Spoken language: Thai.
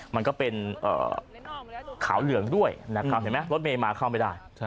มันก็เป็นขาวเหลืองด้วยนะครับเห็นไหมรถเมย์มาเข้าไม่ได้